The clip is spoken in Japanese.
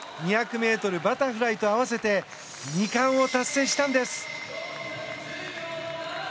２００ｍバタフライと合わせて２冠を達成したんです。